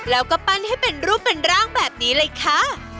แล้วก็ปั้นให้เป็นรูปเป็นร่างแบบนี้เลยค่ะ